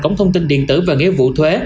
cống thông tin điện tử về nghĩa vụ thuế